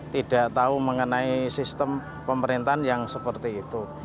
tidak tahu mengenai sistem pemerintahan yang seperti itu